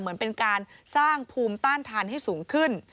เหมือนเป็นการสร้างภูมิต้านทานให้สูงขึ้น